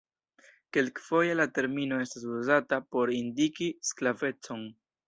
Kelkfoje la termino estas uzata por indiki sklavecon.